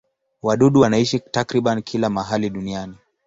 Wadudu wanaishi takriban kila mahali duniani.